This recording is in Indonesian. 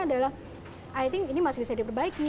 adalah i think ini masih bisa diperbaiki